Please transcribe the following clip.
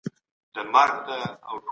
زور او زياتی په اسلامي دعوت کي ځای نه لري.